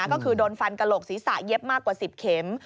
ก็คือโดนฟันกระโหลกศีรษะเย็บมากกว่า๑๐เข็ม